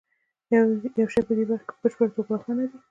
یو شی په دې برخه کې په بشپړه توګه روښانه دی